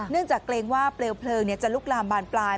จากเกรงว่าเปลวเพลิงจะลุกลามบานปลาย